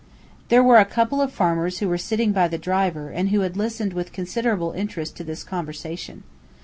There were a couple of farmers who were sitting by the driver, and who had listened with considerable interest to this conversation.